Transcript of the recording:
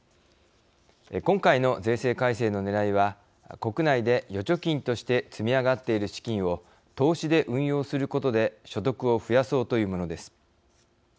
今回の税制改正のねらいは国内で預貯金として積み上がっている資金を投資で運用することで所得を増やそうというものです。